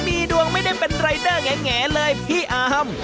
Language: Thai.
มีดวงไม่ได้เป็นรายเดอร์แง่เลยพี่อาร์ม